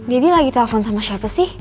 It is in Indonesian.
daddy lagi telpon sama siapa sih